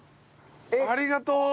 ありがとう。